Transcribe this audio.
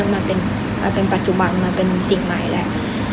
มันเป็นปัจจุบันมันเป็นสิ่งใหม่แล้ว